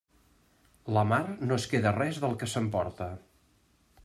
La mar no es queda res del que s'emporta.